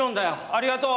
ありがとう！